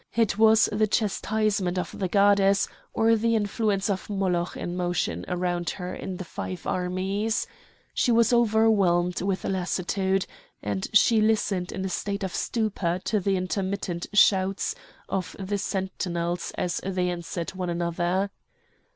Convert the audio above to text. It was the chastisement of the goddess or the influence of Moloch in motion around her in the five armies. She was overwhelmed with lassitude; and she listened in a state of stupor to the intermittent shouts of the sentinels as they answered one another.